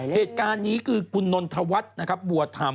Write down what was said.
เหตุการณ์นี้คือคุณนนทวัฒน์นะครับบัวธรรม